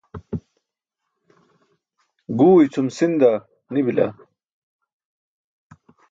Guu icʰum sinda nibila